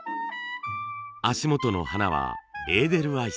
足元の花はエーデルワイス。